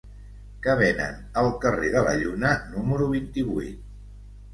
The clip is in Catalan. Què venen al carrer de la Lluna número vint-i-vuit?